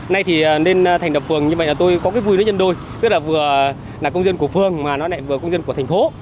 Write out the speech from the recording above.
nay thì nên thành đập phường như vậy là tôi có cái vui với nhân đôi tức là vừa là công dân của phương mà nó lại vừa công dân của thành phố